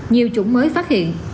nhiều chủng mới phát hiện